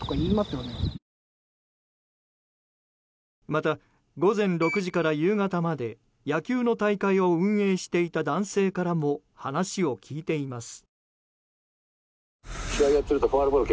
また午前６時から夕方まで野球の大会を運営していた男性からも話を聞いています。